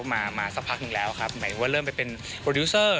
มามาสักพักหนึ่งแล้วครับหมายถึงว่าเริ่มไปเป็นโปรดิวเซอร์